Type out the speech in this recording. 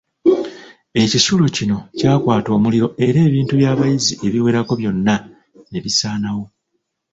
Ekisulo kino kyakwata omuliro era ebintu by'abayizi ebiwerako byonna ne bisaanawo.